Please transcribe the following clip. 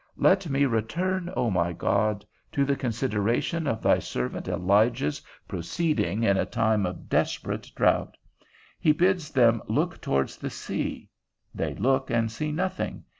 Let me return, O my God, to the consideration of thy servant Elijah's proceeding in a time of desperate drought; he bids them look towards the sea; they look, and see nothing.